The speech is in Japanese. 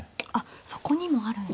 そこにもあるんですね。